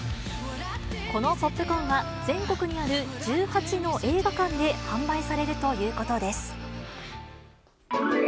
このポップコーンは、全国にある１８の映画館で販売されるということです。